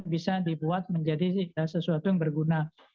bisa dibuat menjadi sesuatu yang berguna